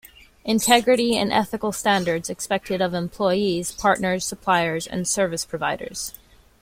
Integrity and ethical standards expected of employees, partners, suppliers and service providers.